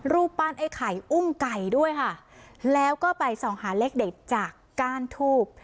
รูปปั้นไอ้ไข่อุ้มไก่ด้วยค่ะแล้วก็ไปส่องหาเลขเด็ดจากก้านทูบ